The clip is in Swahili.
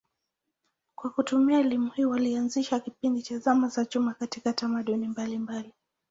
Kwa kutumia elimu hii walianzisha kipindi cha zama za chuma katika tamaduni mbalimbali.